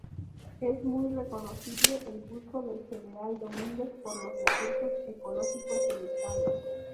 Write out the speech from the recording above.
Era muy reconocible el gusto del general Domínguez por los recursos ecológicos del estado.